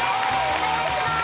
お願いします！